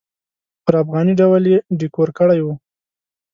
پر افغاني ډول یې ډیکور کړی و.